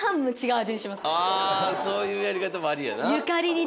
あぁそういうやり方もありやな。